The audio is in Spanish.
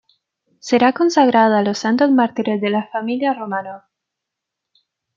Será consagrada a los santos mártires de la familia Románov.